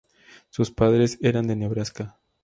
Sus padres eran de Nebraska.